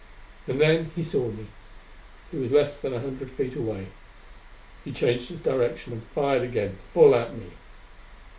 And then he saw me. He was less than a hundred feet away. He changed his direction and fired again, full at me.